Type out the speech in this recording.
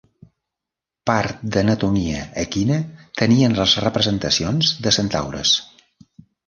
Part d'anatomia equina tenien les representacions de centaures.